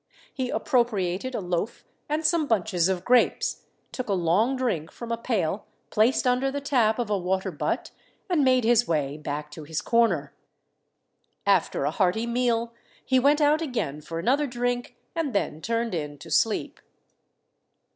He appropriated a loaf and some bunches of grapes, took a long drink from a pail placed under the tap of a water butt, and made his way back to his corner. After a hearty meal he went out again for another drink, and then turned in to sleep.